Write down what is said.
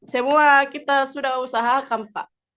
semua kita sudah usahakan pak